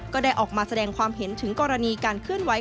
ก็ได้ออกมาแสดงความเห็นถึงกรณีการเคลื่อนไหว